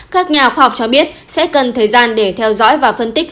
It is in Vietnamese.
các nhà khoa học cho biết sẽ cần thời gian để theo dõi và phân tích